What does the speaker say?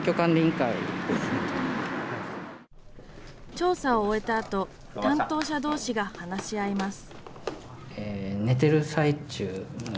調査を終えたあと、担当者どうしが話し合います。